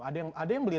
ada yang membeli tiga